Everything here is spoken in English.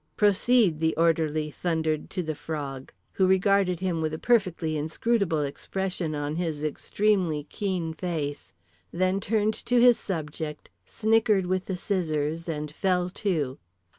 "Proceed," the orderly thundered to The Frog, who regarded him with a perfectly inscrutable expression on his extremely keen face, then turned to his subject, snickered with the scissors, and fell to.